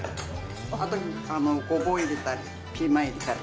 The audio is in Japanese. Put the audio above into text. あとごぼう入れたり、ピーマン入れたり。